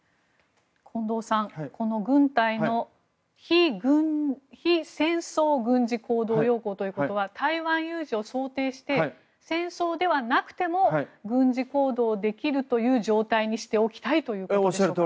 近藤さん、軍隊の非戦争軍事行動要綱ということは台湾有事を想定して戦争ではなくても軍事行動できるという状態にしておきたいということでしょうか？